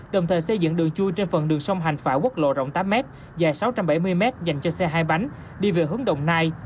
đồng thời xây dựng đường chui trên phần đường sông hành phả quốc lộ rộng tám m dài sáu trăm bảy mươi m dành cho xe hai bánh đi về hướng đồng nai